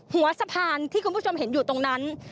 หัวสะพานที่คุณผู้ชมเห็นอยู่ตรงนั้น